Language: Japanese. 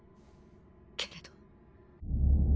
けれど。